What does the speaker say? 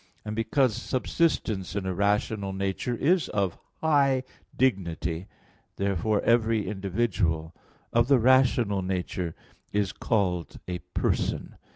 And because subsistence in a rational nature is of high dignity, therefore every individual of the rational nature is called a "person."